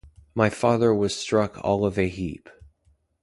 My father was struck all of a heap.